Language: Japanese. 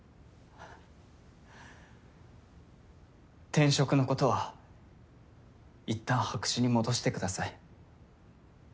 転職のことは一旦白紙に戻してください。